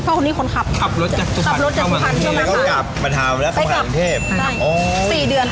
เพราะสิ่งคนขับโดนที่คือ